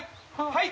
はい！